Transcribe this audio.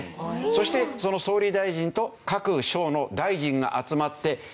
そしてその総理大臣と各省の大臣が集まって行われる会議